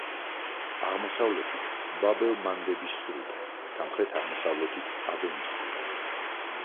აღმოსავლეთით ბაბ-ელ-მანდების სრუტე, სამხრეთ-აღმოსავლეთით ადენის ყურე.